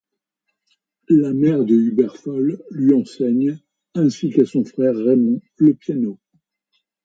La mère de Hubert Fol lui enseigne, ainsi qu'à son frère Raymond, le piano.